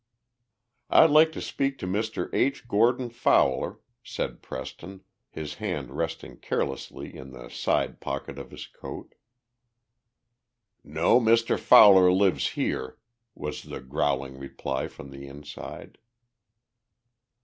"I'd like to speak to Mr. H. Gordon Fowler," said Preston, his hand resting carelessly in the side pocket of his coat. "No Mr. Fowler lives here," was the growling reply from the inside.